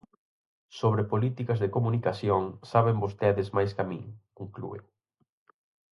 "Sobre políticas de comunicación, saben vostedes máis ca min", conclúe.